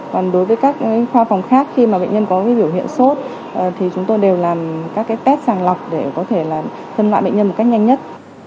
còn đối với các khoa phòng khác khi mà bệnh nhân có biểu hiện sốt thì chúng tôi đều làm các cái test sàng lọc để có thể là phân loại bệnh nhân một cách nhanh nhất